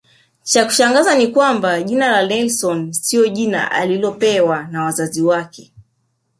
Cha kushangaza ni kwamba jina Nelson siyo jina alilopewa na Wazazi wake